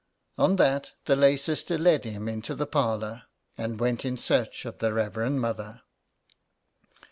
On that the lay sister led him into the parlour, and went in search of the Reverend Mother.